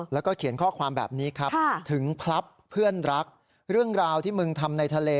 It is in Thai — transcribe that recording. แล้วก็เขียนข้อความแบบนี้ครับถึงพลับเพื่อนรักเรื่องราวที่มึงทำในทะเล